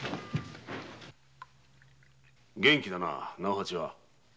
元気だな直八は。